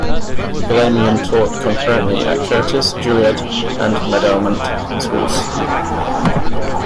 Galamian taught concurrently at Curtis, Juilliard, and Meadowmount schools.